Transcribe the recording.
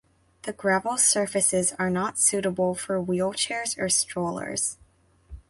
The gravel surfaces are not suitable for wheelchairs or strollers.